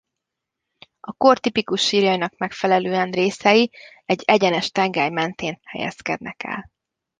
A kor tipikus sírjainak megfelelően részei egy egyenes tengely mentén helyezkednek el.